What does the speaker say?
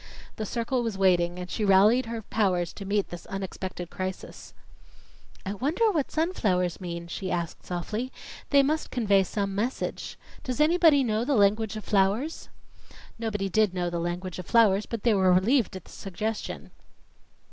The circle was waiting, and she rallied her powers to meet this unexpected crisis. "I wonder what sunflowers mean?" she asked softly. "They must convey some message. Does anybody know the language of flowers?" Nobody did know the language of flowers; but they were relieved at the suggestion.